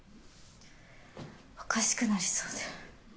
おかしくなりそうで。